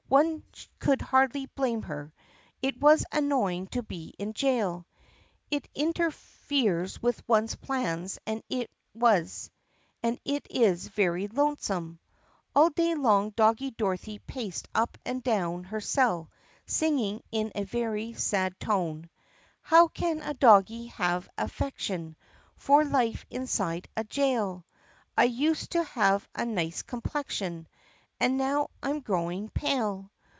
One could hardly blame her. It is annoying to be in jail. It inter feres with one's plans and it is very lonesome. All day long Doggie Dorothy paced up and down her cell singing in a very sad tone : "How can a doggie have affection For life inside a jail 4 ? I used to have a nice complexion And now I 'm growing pale.